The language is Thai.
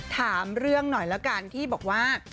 ถามเรื่องหน่อยละกันที่บอกว่า